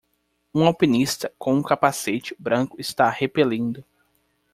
Um alpinista com um capacete branco está repelindo.